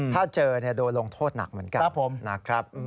ถ้าเจอโดยลงโทษหนักเหมือนกัน